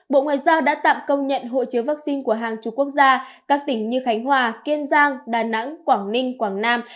bộ ngoại giao đã tạm công nhận hộ chiếu vaccine của hàng chú quốc gia các tỉnh như khánh hòa kiên giang đà nẵng quảng ninh quảng nam